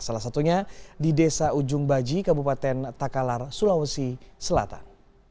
salah satunya di desa ujung baji kabupaten takalar sulawesi selatan